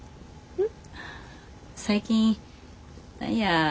うん。